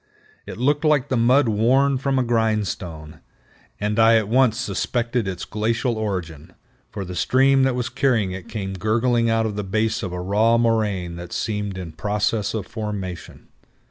It looked like the mud worn from a grindstone, and I at once suspected its glacial origin, for the stream that was carrying it came gurgling out of the base of a raw moraine that seemed in process of formation.